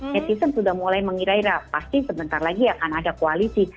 netizen sudah mulai mengira ira pasti sebentar lagi akan ada koalisi